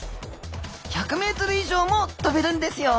１００メートル以上も飛べるんですよ。